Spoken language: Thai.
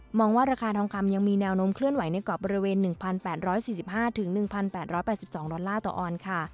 หวังว่าราคาทองคำยังมีแนวโน้มเคลื่อนไหวในเกาะบริเวณ๑๘๔๕ถึง๑๘๘๒ต่อออนค่ะ